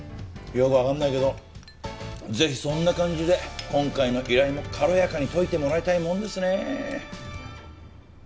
よくわかんないけどぜひそんな感じで今回の依頼も軽やかに解いてもらいたいもんですねえ。